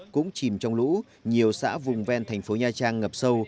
cũng chìm trong lũ nhiều xã vùng ven thành phố nha trang ngập sâu